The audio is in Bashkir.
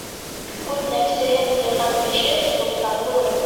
Үҙ нәфсеһен тыйған кеше солтан булыр.